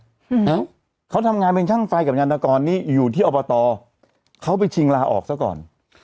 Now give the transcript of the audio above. อืมเอ้าเขาทำงานเป็นช่างไฟกับยานกรนี่อยู่ที่อบตเขาไปชิงลาออกซะก่อน